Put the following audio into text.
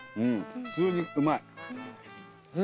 普通にうまい。